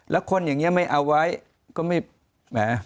แล้วคนอย่างนี้ไม่เอาไว้ก็ไม่แหม